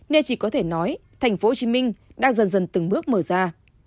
nên chỉ có thể nói tp hcm đang dần dần từng bước mở ra